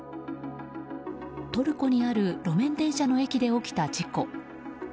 トルコにある路面電車の駅で起きた事故。